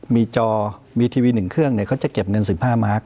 มีจอมีทีวีหนึ่งเครื่องเนี่ยเขาจะเก็บเงิน๑๕มาร์ค